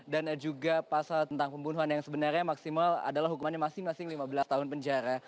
dan juga pasal tentang pembunuhan yang sebenarnya maksimal adalah hukumannya masing masing lima belas tahun penjara